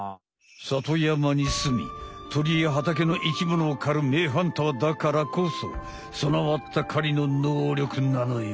さとやまにすみとりやはたけの生きものを狩るめいハンターだからこそそなわった狩りの能力なのよ。